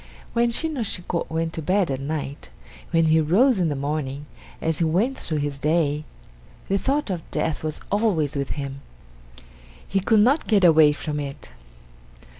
When Shin no Shiko went to bed at night, when he rose in the morning, as he went through his day, the thought of death was always with him. He could not get away from it.